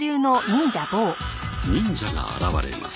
忍者が現れます。